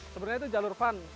sebenarnya itu jalur fun